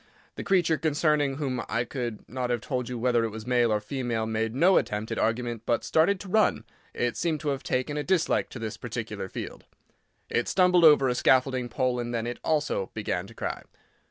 The creature concerning whom I could not have told you whether it was male or female made no attempt at argument, but started to run; it seemed to have taken a dislike to this particular field. It stumbled over a scaffolding pole, and then it also began to cry.